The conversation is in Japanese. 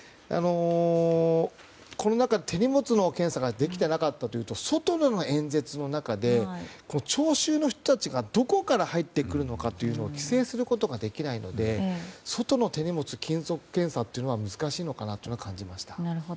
この中、手荷物の検査ができていなかったというと外での演説の中では聴衆の人たちがどこから入ってくるのか規制することができないので外の手荷物、金属検査は難しいのかなというのは感じました。